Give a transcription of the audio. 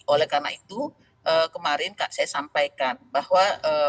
oleh karena itu kemarin saya sampaikan bahwa